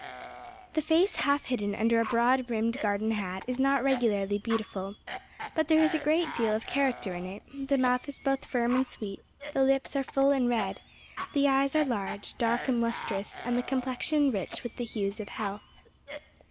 The face half hidden under a broad brimmed garden hat, is not regularly beautiful, but there is a great deal of character in it; the mouth is both firm and sweet, the lips are full and red, the eyes are large, dark and lustrous, and the complexion rich with the hues of health.